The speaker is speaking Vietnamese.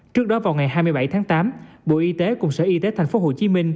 trước đó vào ngày hai mươi bảy tháng tám bộ y tế cùng sở y tế tp hcm